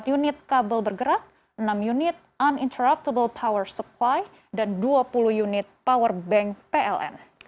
empat unit kabel bergerak enam unit uninterruptable power supply dan dua puluh unit powerbank pln